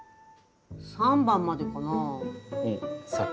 ３番までかなあ。